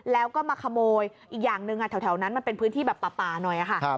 แล้วก็มาขโมยอีกอย่างหนึ่งแถวนั้นมันเป็นพื้นที่แบบป่าหน่อยค่ะ